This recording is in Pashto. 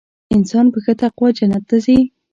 انسان په ښه تقوا جنت ته ځي .